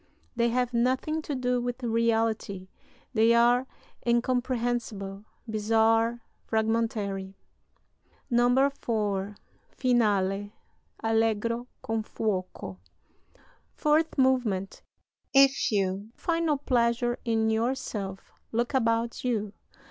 They have nothing to do with reality; they are incomprehensible, bizarre, fragmentary. "[IV. Finale: Allegro con fuoco] "Fourth movement. If you find no pleasure in yourself, look about you.